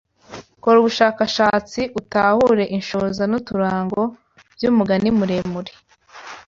Kora ubushakashatsi utahure inshoza n’uturango by’umugani muremure